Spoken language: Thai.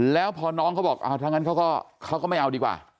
แล้วพอน้องเขาบอกถ้างั้นเขาก็ไม่เอาดีกว่า